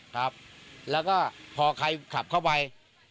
ครับแล้วก็พอใครขับเข้าไป